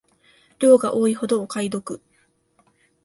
量が多いほどお買い得